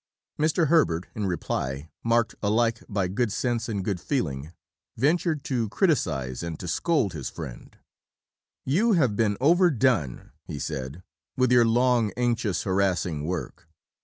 Mr. Herbert, in a reply marked alike by good sense and good feeling, ventured "to criticize and to scold" his friend. "You have been overdone," he said, "with your long, anxious, harassing work.